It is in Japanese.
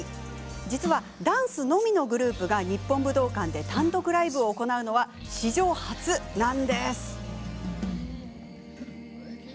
実はダンスのみのグループが日本武道館で単独ライブを行うのは史上初なんです。